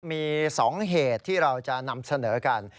มี๒เหตุที่เราจะนำเสนอกัน